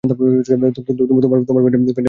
তোমার প্যান্টের চেইনটা আটকাবে?